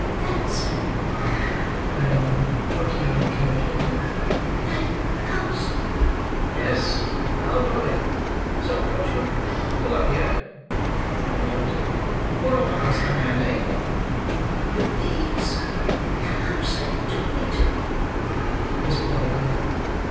"That, sir," cried Oliver, pointing out of the carriage window. "That house!" "Yes; well, what of it? Stop coachman. Pull up here," cried the doctor. "What of the house, my man; eh?" "The thieves—the house they took me to!" whispered Oliver.